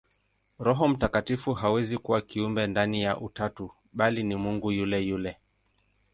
Roho Mtakatifu hawezi kuwa kiumbe ndani ya Utatu, bali ni Mungu yule yule.